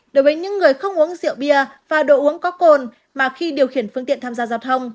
đối với những người không uống rượu bia và đồ uống có cồn mà khi điều khiển phương tiện tham gia giao thông